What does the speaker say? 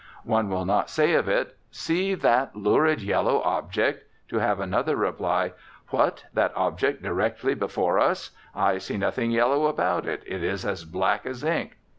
One will not say of it, "See that lurid yellow object," to have another reply, "What! that object directly before us? I see nothing yellow about it; it is as black as ink."